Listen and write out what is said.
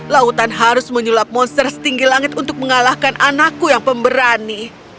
lautan harus menyulap monster setinggi langit untuk mengalahkan anakku yang pemberani